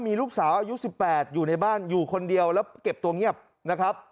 มีลูกสาวอายุ๑๘อยู่ในบ้านอยู่คนเดียวแล้วเก็บตัวเงียบนะครับ